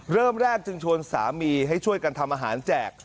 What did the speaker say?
เริ่มแรกจึงชวนสามีให้ช่วยกันทำอาหารแจก